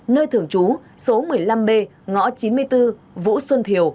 nơi thường trú số một mươi năm b ngõ chín mươi bốn vũ xuân thiều